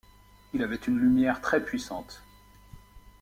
Il avait une lumière très puissante.